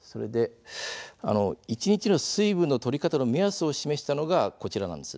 一日の水分のとり方の目安を示したのが、こちらです。